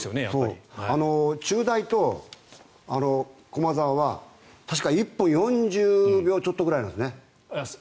中大と駒澤は確か１分４０秒ちょっとぐらいなんですね